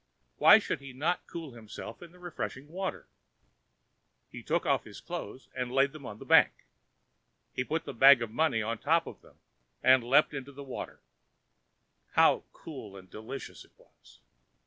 Why should he not cool himself in the refreshing water? He took off his clothes and laid them on the bank. He put the bag of money on top of them and then leaped into the water. How cool and delicious it was!